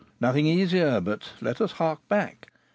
"Nothing easier; but let us 'hark back.'